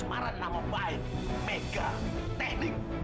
semaran nama baik mega teknik